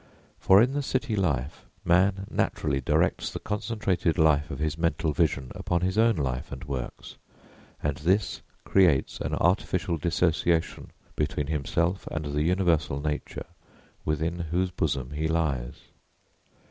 For in the city life man naturally directs the concentrated light of his mental vision upon his own life and works, and this creates an artificial dissociation between himself and the Universal Nature within whose bosom he lies.